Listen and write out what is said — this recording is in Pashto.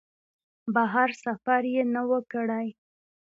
بهر سفر یې نه و کړی.